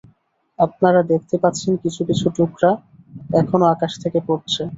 আপনারা দেখতে পাচ্ছেন কিছু কিছু টুকরা এখনও আকাশ থেকে পড়ছে।